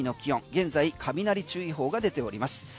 現在、雷注意報が出ています。